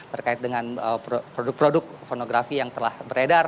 terkait dengan produk produk pornografi yang telah beredar